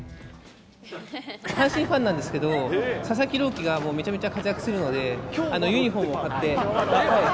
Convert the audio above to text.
阪神ファンなんですけど、佐々木朗希が、もうめちゃめちゃ活躍するので、ユニホームを買って。